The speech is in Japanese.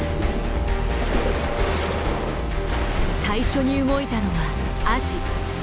最初に動いたのはアジ。